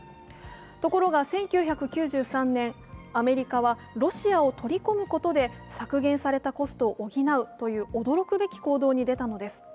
ところが１９９３年、アメリカはロシアを取り込むことで削減されたコストを補うという驚くべき行動に出たのです。